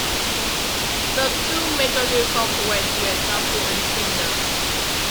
The two major lyrical poets were Sappho and Pindar.